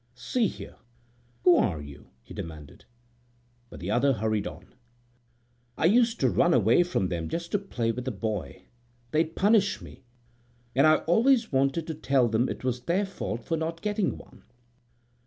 "See here, who are you?" he demanded. But the other hurried on: "I used to run away from them just to play with a boy. They'd punish me, and I always wanted to tell them it was their fault for not getting one."